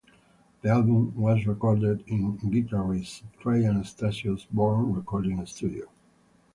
The album was recorded in guitarist Trey Anastasio's Barn recording studio.